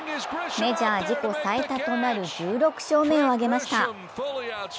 メジャー自己最多となる１６勝目を挙げました。